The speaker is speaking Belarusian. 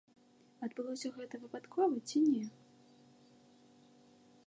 Адбылося гэта выпадкова ці не?